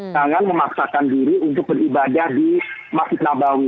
jangan memaksakan diri untuk beribadah di masjid nabawi